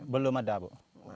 belum ada bu